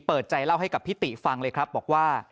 เปิดใจเล่าให้กับพิติฟังเลยครับบอกว่า